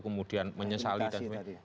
menyesali dan sebagainya